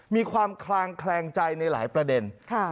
มีความคลางแคลงใจในหลายประเด็น